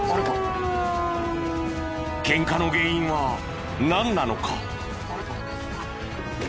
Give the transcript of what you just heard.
ケンカの原因はなんなのか？